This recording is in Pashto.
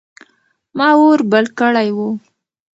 ما اور بل کړی و.